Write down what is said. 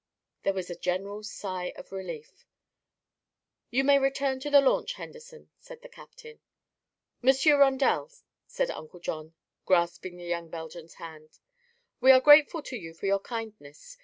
There was a general sigh of relief. "You may return to the launch, Henderson," said the captain. "Monsieur Rondel," said Uncle John, grasping the young Belgian's hand, "we are grateful to you for your kindness.